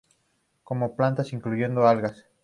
Come plantas, incluyendo algas.